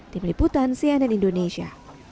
di meliputan cnn indonesia